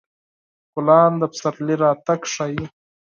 ګلان د پسرلي راتګ ښيي.